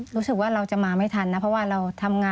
รู้สึกว่าเราจะมาไม่ทันนะเพราะว่าเราทำงาน